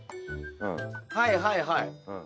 はいはいはい。